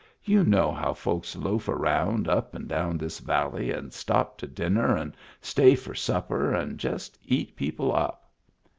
You know how folks loaf around up and down this valley and stop to dinner, and stay for supper, and just eat people up